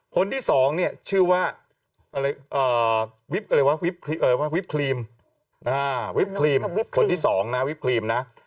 คนที่สองเนี่ยชื่อว่าวิบครีมคนที่สองนะวิบครีมนะ